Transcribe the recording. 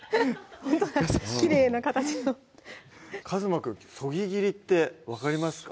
きれいな形の壱馬くんそぎ切りって分かりますか？